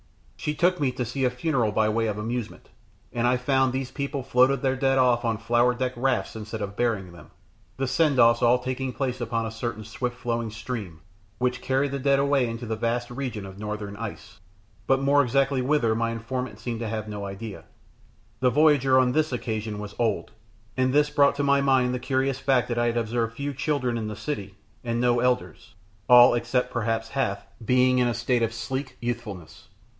She took me to see a funeral by way of amusement, and I found these people floated their dead off on flower decked rafts instead of burying them, the send offs all taking place upon a certain swift flowing stream, which carried the dead away into the vast region of northern ice, but more exactly whither my informant seemed to have no idea. The voyager on this occasion was old, and this brought to my mind the curious fact that I had observed few children in the city, and no elders, all, except perhaps Hath, being in a state of sleek youthfulness.